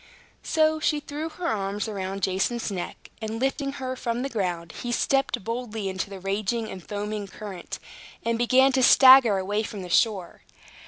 So she threw her arms around Jason's neck; and lifting her from the ground, he stepped boldly into the raging and foaming current, and began to stagger away from the shore.